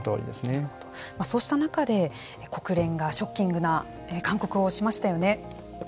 そうした中で国連がショッキングな勧告をしましたよね。